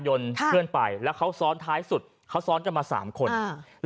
ยนต์ทั่วไปและเขาซ้อนท้ายสุดเขาซ้อนจนมาสามคนอ่า